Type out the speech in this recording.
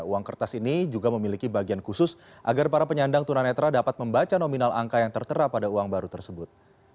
uang kertas ini juga memiliki bagian khusus agar para penyandang tunanetra dapat membaca nominal angka yang tertera pada uang baru tersebut